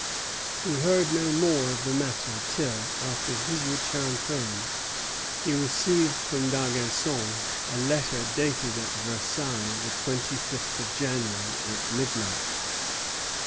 He heard no more of the matter till, after his return home, he received from D'Argenson a letter dated at Versailles the twenty fifth of January, at midnight.